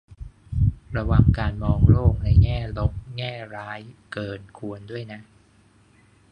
ระวังการมองโลกในแง่ลบแง่ร้ายเกินควรด้วยนะ